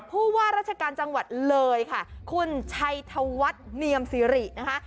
ผู้ว่าราชการจังหวัดเลยค่ะคุณชัยธวัฒน์เนียมสิรินะคะ